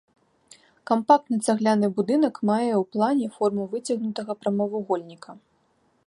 Кампактны цагляны будынак мае ў плане форму выцягнутага прамавугольніка.